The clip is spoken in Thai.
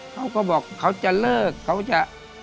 เขาก็บอกเขาจะเลิกเขาจะ